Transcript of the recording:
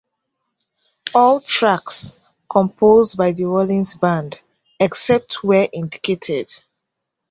All tracks composed by the Rollins Band, except where indicated.